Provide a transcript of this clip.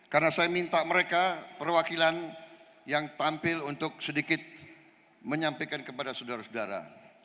karena saya minta mereka perwakilan yang tampil untuk sedikit menyampaikan kepada sudara sudara